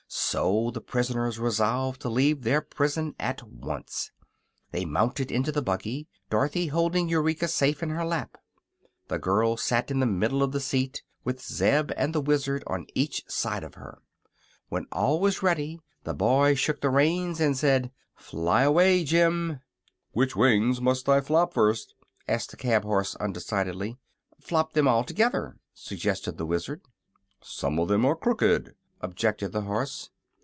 So the prisoners resolved to leave their prison at once. They mounted into the buggy, Dorothy holding Eureka safe in her lap. The girl sat in the middle of the seat, with Zeb and the Wizard on each side of her. When all was ready the boy shook the reins and said: "Fly away, Jim!" "Which wings must I flop first?" asked the cab horse, undecidedly. "Flop them all together," suggested the Wizard. "Some of them are crooked," objected the horse.